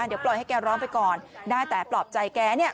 เดี๋ยวปล่อยให้แกร้องไปก่อนได้แต่ปลอบใจแกเนี่ย